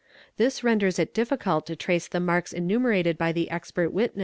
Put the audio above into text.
This mnders it difficult to trace the marks enumerated by the expert witness